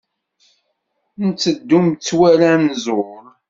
Nteddu metwal anẓul.